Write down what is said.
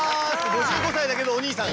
５５歳だけどおにいさん。